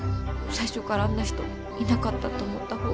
最初からあんな人いなかったと思った方が。